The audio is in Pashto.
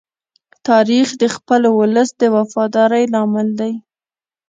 تاریخ د خپل ولس د وفادارۍ لامل دی.